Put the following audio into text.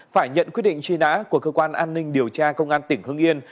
phải nhận quyết định truy nã của cơ quan an ninh điều tra công an tỉnh hưng yên